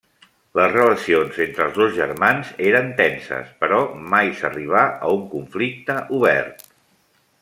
Les relacions entre els dos germans eren tenses, però mai s'arribà a un conflicte obert.